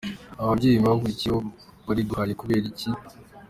Ababyeyi bakubwiye ko bariguhaye kubera iki?.